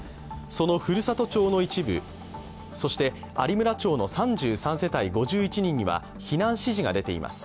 その古里町の一部、そして有村町の３３世帯５１人には避難指示が出ています。